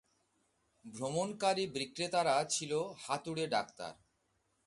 ভ্রমণকারী বিক্রেতারা ছিল হাতুড়ে ডাক্তার।